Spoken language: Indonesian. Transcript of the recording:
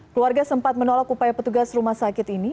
keluarga sempat menolak upaya petugas rumah sakit ini